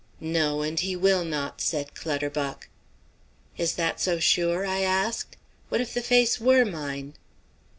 "No, and he will not," said Clutterbuck. "Is that so sure?" I asked. "What if the face were mine?"